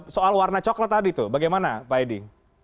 soal warna coklat tadi tuh bagaimana pak edi